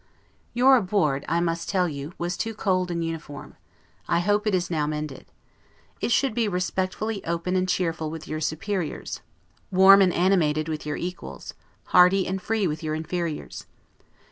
Your 'abord', I must tell you, was too cold and uniform; I hope it is now mended. It should be respectfully open and cheerful with your superiors, warm and animated with your equals, hearty and free with your inferiors.